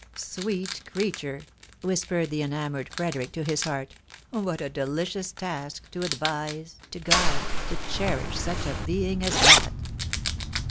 " Sweet creature !" whispered the enamoured Frederick to his heart, " what a delicious task to advise, to guide, to cherish such a being as that